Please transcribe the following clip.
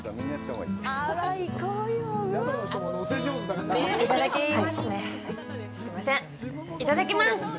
いただきますね。